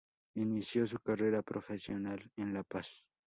Inició su carrera profesional en La Paz.